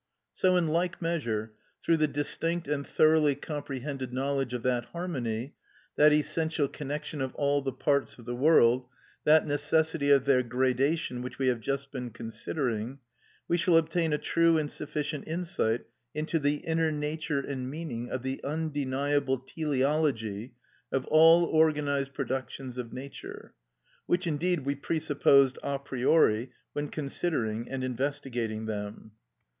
So in like measure, through the distinct and thoroughly comprehended knowledge of that harmony, that essential connection of all the parts of the world, that necessity of their gradation which we have just been considering, we shall obtain a true and sufficient insight into the inner nature and meaning of the undeniable teleology of all organised productions of nature, which, indeed, we presupposed a priori, when considering and investigating them.